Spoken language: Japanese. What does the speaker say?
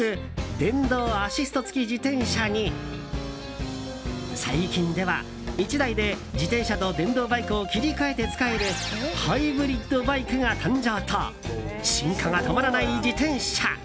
電動アシスト付き自転車に最近では、１台で自転車と電動バイクを切り替えて使えるハイブリッドバイクが誕生と進化が止まらない自転車。